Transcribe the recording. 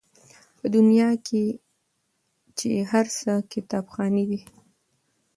په دنیا کي چي هر څه کتابخانې دي